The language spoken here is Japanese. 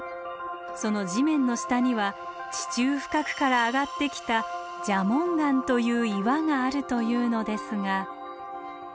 その地面の下には地中深くから上がってきた蛇紋岩という岩があるというのですが。